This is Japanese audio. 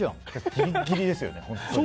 ギリギリですよね、本当に。